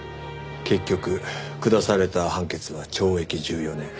結局下された判決は懲役１４年。